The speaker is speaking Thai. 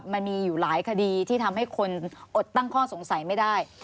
มันมีอยู่หลายคดีที่ทำให้คนอดตั้งข้อสงสัยไม่ได้